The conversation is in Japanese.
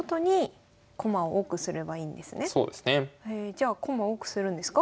じゃあ駒多くするんですか？